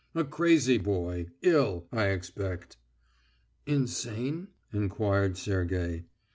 A crazy boy; ill, I expect." "Insane?" enquired Sergey.